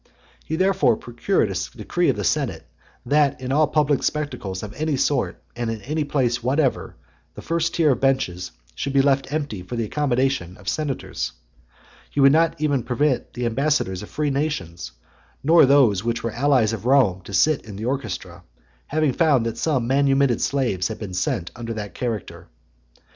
He therefore procured a decree of the senate, that in all public spectacles of any sort, and in any place whatever, the first tier of benches should be left empty for the accommodation of senators. He would not even permit the ambassadors of free nations, nor of those which were allies of Rome, to sit in the orchestra; having found that some manumitted slaves had been sent under that character.